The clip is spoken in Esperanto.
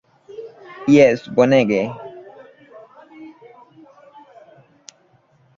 Jes bonege!